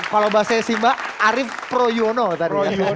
kalau bahasanya simba arief proyono tadi